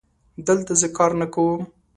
دلته زه کار نه کوم